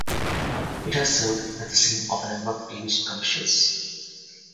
It has served as the scene of a number of television commercials.